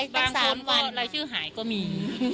บาง๓วันรายชื่อหายก็มี